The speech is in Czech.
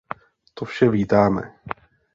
To vše vítáme.